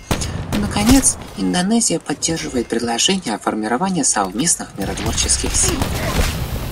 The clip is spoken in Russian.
Наконец, Индонезия поддерживает предложение о формировании совместных миротворческих сил.